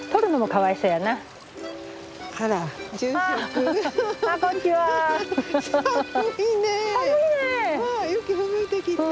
わあ雪ふぶいてきた。